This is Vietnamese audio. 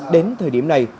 đến thời điểm này